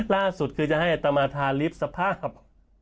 ล่าสุดคือจะให้อัตมาธาลิฟต์สภาพ